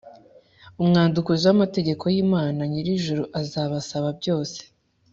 umwandukuzi w amategeko y imana nyir ijuru azabasaba byose